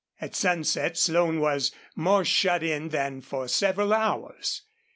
At sunset Slone was more shut in than for several hours.